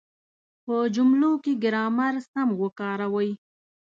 په جملو کې ګرامر سم وکاروئ.